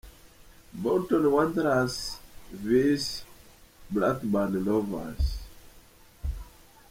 hBolton Wanderers Vs Blackburn Rovers .